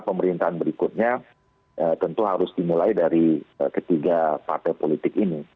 pemerintahan berikutnya tentu harus dimulai dari ketiga partai politik ini